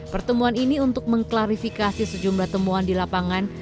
pertemuan ini untuk mengklarifikasi sejumlah temuan di lapangan